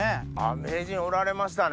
名人おられましたね